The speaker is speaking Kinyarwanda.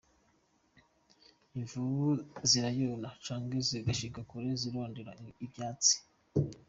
Imvubu zirayona canke zigashika kure zirondera ivyatsi.